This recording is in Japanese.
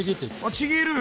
あちぎる。